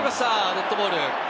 デッドボール！